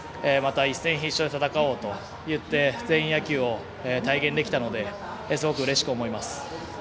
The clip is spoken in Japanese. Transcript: また一戦必勝で戦おうと言って全員野球を体現できたのですごくうれしく思います。